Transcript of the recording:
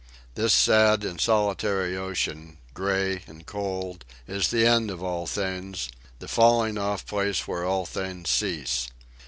This sad and solitary ocean, gray and cold, is the end of all things, the falling off place where all things cease.